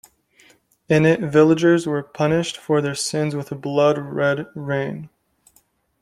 In it, villagers were punished for their sins with a blood-red rain.